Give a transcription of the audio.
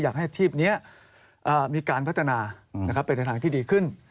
อยากให้อาชีพนี้มีการพัฒนาไปในทางที่ดีขึ้น